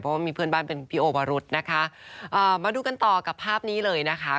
เพราะว่ามีเพื่อนบ้านเป็นพี่โอวรุษนะคะอ่ามาดูกันต่อกับภาพนี้เลยนะคะ